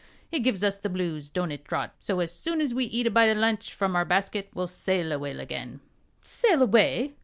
It gives us the blues don't it, Trot? so as soon as we eat a bite o' lunch from our basket we'll sail away again." "Sail away?